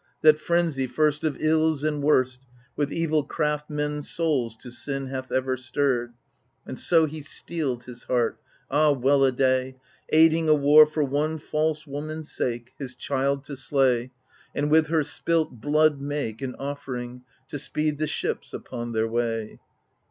that Frenzy, first of ills and worst, With evil craft men's souls to sin hath ever stirred ! And so he steeled his heart — ah, well a day — Aiding a war for one false woman's sake. His child to slay, And with her spilt blood make An offering, to speed the ships upon their way